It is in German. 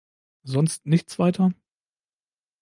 Sonst nichts weiter?